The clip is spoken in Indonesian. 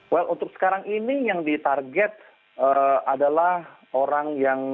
well untuk sekarang ini yang ditarget adalah orang yang